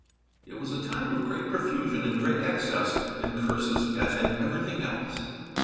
It was a time of great profusion and great excess, in curses as in everything else.